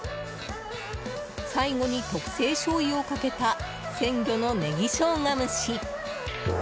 最後に特製しょうゆをかけた鮮魚のネギ生姜蒸し。